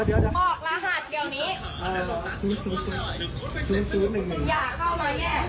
อย่าเข้าม้า